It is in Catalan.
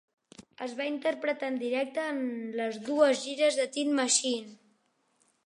Es va interpretar en directe en les dues gires de Tin Machine.